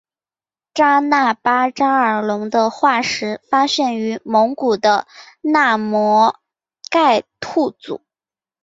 扎纳巴扎尔龙的化石发现于蒙古的纳摩盖吐组。